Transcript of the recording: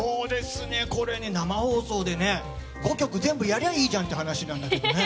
これ、生放送で５曲全部やりゃいいじゃんっていう話なんだけどね。